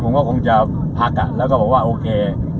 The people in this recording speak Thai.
ผมก็คงจะพักแล้วก็บอกว่าโอเค